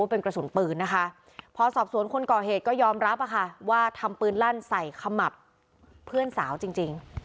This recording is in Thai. พอสอบสวนคนก่อเหตุก็ยอมรับอ่ะค่ะว่าทำเปิ้ล่านใส่คำมับเพื่อนสาวจริง